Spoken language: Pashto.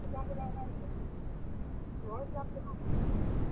له دوزخه د جنت مهمان را ووت -